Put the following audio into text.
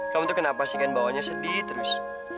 kamu tuh kenapa sih kan bawanya sedih terus